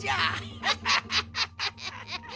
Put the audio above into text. ハハハハハ！